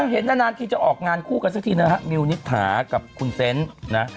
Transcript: เห็นนานทีจะออกงานคู่กันสักทีนะฮะมิวนิษฐากับคุณเซนต์นะ